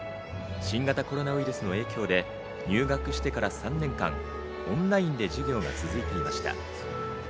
新型コロナウイルスの影響で入学してから３年間、オンラインで授業が続いていました。